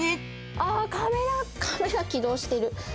あー、カメラ、カメラ起動してる。